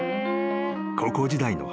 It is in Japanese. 高校時代の］